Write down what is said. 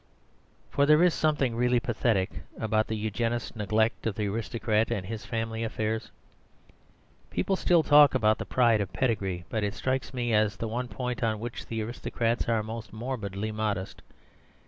For there is something really pathetic about the Eugenist's neglect of the aristocrat and his family affairs. People still talk about the pride of pedigree; but it strikes me as the one point on which the aristocrats are almost morbidly modest.